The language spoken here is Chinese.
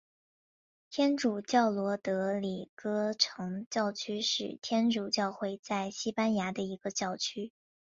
天主教罗德里戈城教区是天主教会在西班牙的一个教区。